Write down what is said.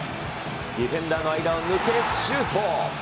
ディフェンダーの間を抜け、シュート。